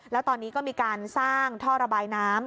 แล้วตอนนี้ก็มีการสร้างท่อระบายน้ำ